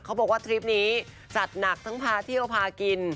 เขาบอกว่าทริปนี้จัดหนักทั้งพาเที่ยวพากิน